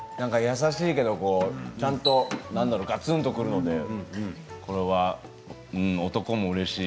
優しいけどちゃんと、がつんとくるのでこれは男もうれしい。